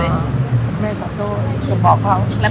แม่ขอโทษเลย